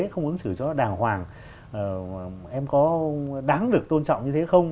không ứng xử cho nó đàng hoàng em có đáng được tôn trọng như thế không